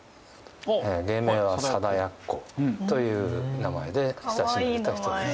芸名は貞奴という名前で親しまれた人です。